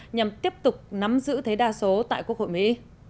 nhằm tiếp tục nắm giữ thế đa số tại quốc hội mỹ